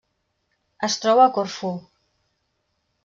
Es troba a Corfú.